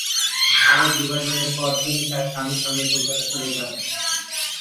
ভারত-বিভাজনের পর, তিনি তার স্বামী সঙ্গে কলকাতা চলে যান।